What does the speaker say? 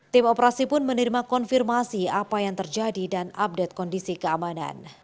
tim operasi pun menerima konfirmasi apa yang terjadi dan update kondisi keamanan